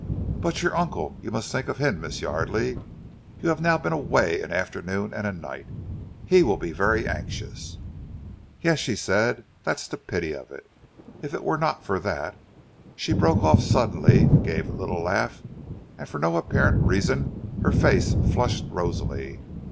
"But your uncle! You must think of him, Miss Yardely. You have now been away an afternoon and a night. He will be very anxious." "Yes!" she said, "that's the pity of it. If it were not for that " She broke off suddenly, gave a little laugh, and for no apparent reason her face flushed rosily.